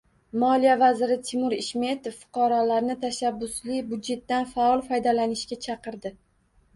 Moliya vaziri Timur Ishmetov fuqarolarni “Tashabbusli budjet”dan faol foydalanishga chaqirdi